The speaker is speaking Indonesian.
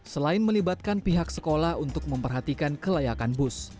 selain melibatkan pihak sekolah untuk memperhatikan kelayakan bus